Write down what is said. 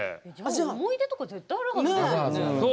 思い出とか絶対あるはずですよね。